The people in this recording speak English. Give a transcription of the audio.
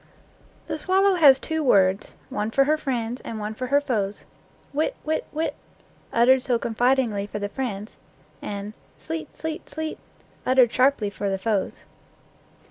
The swallow has two words, one for her friends, and one for her foes, "Wit, wit, wit," uttered so confidingly for the friends, and "Sleet, sleet, sleet," uttered sharply for the foes.